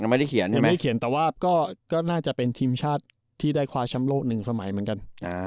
ไม่เขียนแต่ว่าก็น่าจะเป็นทีมชาติที่ได้คว้ายชั้นโลกสมัยนึงเหมือนกัน